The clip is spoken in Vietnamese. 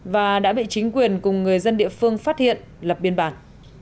và đã bị chính quyền cùng người dân địa phương phát hiện lập biên bản